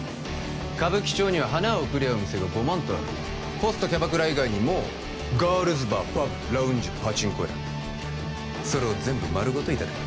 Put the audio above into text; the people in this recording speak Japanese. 歌舞伎町には花を贈り合う店がごまんとあるホストキャバクラ以外にもガールズバーパブラウンジパチンコ屋それを全部丸ごといただく